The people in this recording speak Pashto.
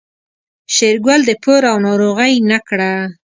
شېرګل د پور او ناروغۍ نه کړه.